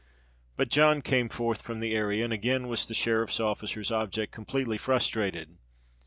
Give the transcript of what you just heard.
But John came forth from the area; and again was the sheriff's officer's object completely frustrated.